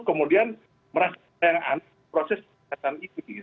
kemudian merasa sayang sayang proses kesehatan itu